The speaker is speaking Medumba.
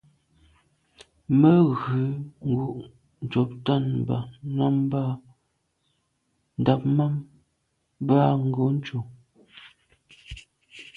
Mə ghʉ̌ ngǔ’ ncobtαn ŋammbαhα. Ndὰb mαm bə α̂ Ngǒnncò.